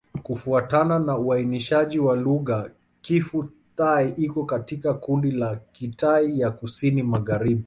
Kufuatana na uainishaji wa lugha, Kiphu-Thai iko katika kundi la Kitai ya Kusini-Magharibi.